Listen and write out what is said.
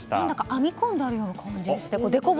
何だか編み込んであるような感じですね。